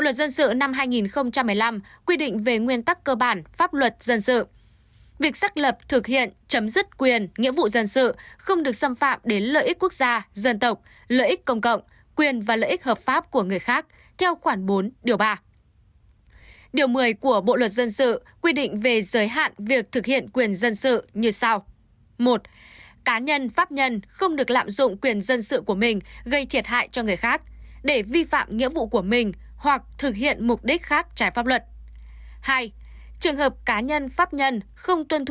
tuân thủ pháp luật việt nam tôn trọng quyền và lợi ích hợp pháp của tổ chức cá nhân